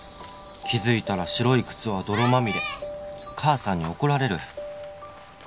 「気づいたら白い靴は泥まみれ」「母さんに怒られる」